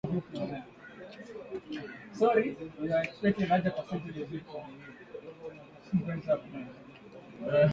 Dalili za ugonjwa wa kuhara kwa mnyama aliyekufa ni kukaukiwa maji mwilini